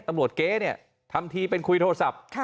เก๊เนี่ยทำทีเป็นคุยโทรศัพท์